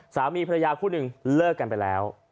สามีภรรยาคู่หนึ่งเลิกกันไปแล้ว